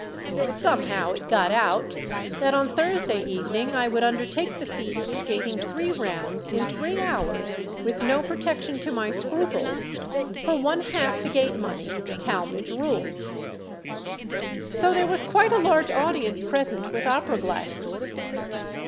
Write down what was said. Somehow it got out that on Thursday evening I would undertake the feat of skating three rounds in three hours with no protection to my scruples, for one half the gate money, Talmage rules. So there was quite a large audience present with opera glasses.